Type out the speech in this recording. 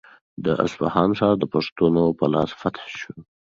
د اصفهان ښار د پښتنو په لاس فتح شو.